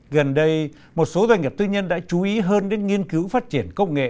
gần đây một số doanh nghiệp tư nhân đã chú ý hơn đến nghiên cứu phát triển công nghệ